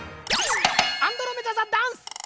アンドロメダ座ダンス。